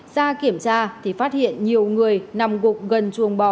ra kiểm tra thì phát hiện nhiều người nằm gục gần chuồng bò